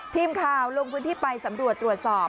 ทีมข่าวลงพื้นที่ไปสำรวจตรวจสอบ